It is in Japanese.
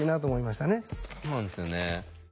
そうなんですよね。